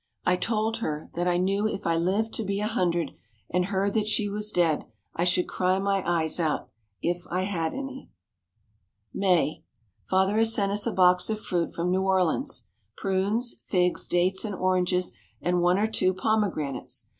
I told her that I knew if I lived to be a hundred and heard that she was dead I should cry my eyes out, if I had any. May. Father has sent us a box of fruit from New Orleans. Prunes, figs, dates and oranges, and one or two pomegranates.